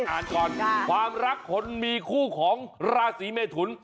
อ่านก่อนความรักคนมีคู่ของราศีเมทุน